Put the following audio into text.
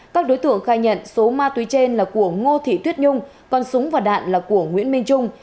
các đối tượng khai nhận số ma túy trên là của ngô thị tuyết nhung còn súng và đạn là của nguyễn minh trung